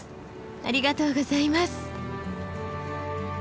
ありがとうございます。